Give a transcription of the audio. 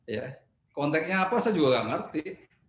ya konteknya apa saya juga tidak mengerti